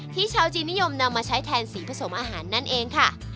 ชาวจีนนิยมนำมาใช้แทนสีผสมอาหารนั่นเองค่ะ